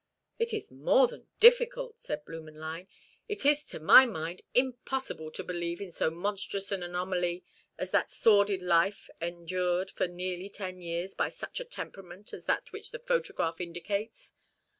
"It is more than difficult," said Blümenlein; "it is, to my mind, impossible to believe in so monstrous an anomaly as that sordid life endured for nearly ten years by such a temperament as that which the photograph indicates.